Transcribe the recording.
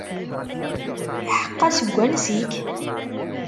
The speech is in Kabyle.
Iḥeqqa, seg wansi-k?